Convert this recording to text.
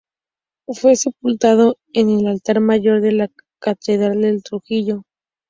Fue sepultado en el altar mayor de la Catedral de Trujillo.